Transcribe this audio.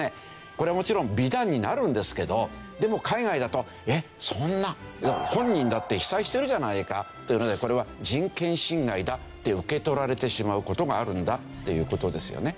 これはもちろん美談になるんですけどでも海外だと「えっ！そんな本人だって被災してるじゃないか！」というのでこれは人権侵害だって受け取られてしまう事があるんだっていう事ですよね。